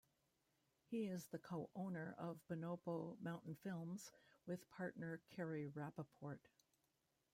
He is the co-owner of Bonobo Mountain Films with partner Carrie Rapaport.